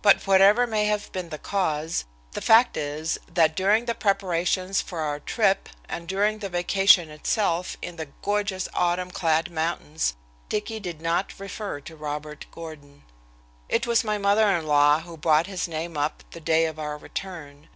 But whatever may have been the cause, the fact is that during the preparations for our trip and during the vacation itself in the gorgeous autumn clad mountains Dicky did not refer to Robert Gordon. It was my mother in law who brought his name up the day of our return.